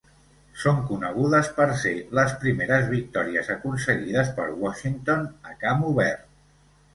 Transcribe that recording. Són conegudes per ser les primeres victòries aconseguides per Washington a camp obert.